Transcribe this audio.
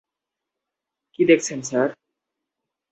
কী দেখছেন স্যার?